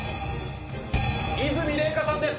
和泉礼香さんです。